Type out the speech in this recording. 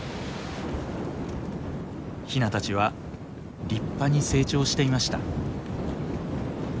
ヒナたちは立派に成長していました。